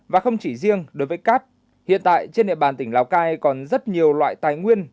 và không chỉ riêng đối với cát hiện tại trên địa bàn tỉnh lào cai còn rất nhiều loại tài nguyên